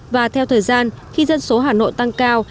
và theo thời gian khi dân số hà nội tăng cao